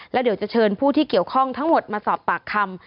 แล้วเดี๋ยวจะเชิญผู้ที่เกี่ยวข้องทั้งหมดมาสอบปากคำ